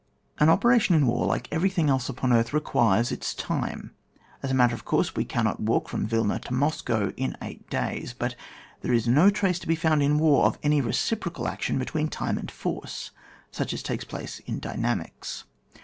An operation in war, like everything else upon earth, requires its time ; as a matter of course we cannot walk from Wilna to Moscow in eight days ; but there is no trace to be foimd in war of any reciprocal action between time and force, such as takes place in dynamics.